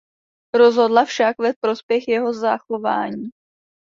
Rozhodla však ve prospěch jeho zachování.